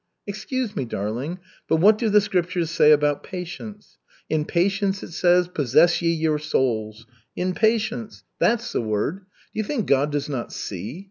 "Excuse me, darling, but what do the Scriptures say about patience? 'In patience,' it says, 'possess ye your souls,' 'In patience' that's the word. Do you think God does not see?